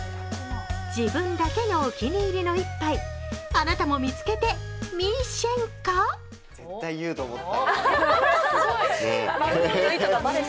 自分だけのお気に入りに一杯、あなたも見つけてみしぇんか？